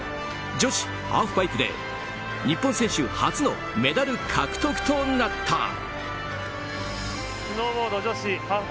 女子ハーフパイプで日本選手初のメダル獲得となった。